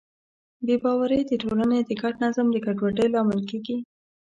بې باورۍ د ټولنې د ګډ نظم د ګډوډۍ لامل کېږي.